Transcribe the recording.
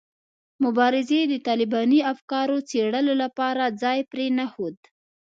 مبارزې د طالباني افکارو څېړلو لپاره ځای پرې نه ښود.